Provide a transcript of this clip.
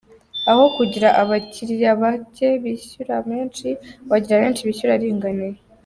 Aho kugira abakiriya bake bishyura menshi, wagira benshi bishyura aringaniye.